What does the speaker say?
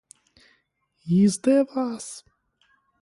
Izdevās?